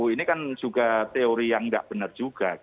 ini kan juga teori yang tidak benar juga